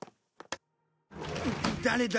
誰だ？